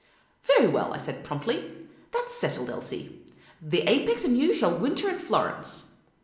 " Very well," I said promptly ;" that 's settled, Elsie. The apex and you shall winter in Florence."